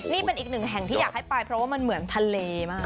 นี่เป็นอีกหนึ่งแห่งที่อยากให้ไปเพราะว่ามันเหมือนทะเลมาก